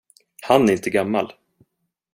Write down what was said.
Han är inte gammal.